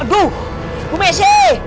aduh bu messi